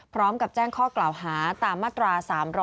พร้อมกับแจ้งข้อกล่าวหาตามมาตรา๓๗